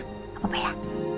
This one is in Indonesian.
gak apa ya